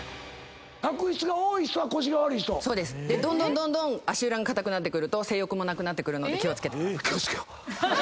どんどん足裏が硬くなってくると性欲もなくなってくるので気を付けてください。